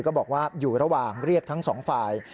ก็บอกว่าอยู่ระหว่างเรียกทั้งสองฝ่าย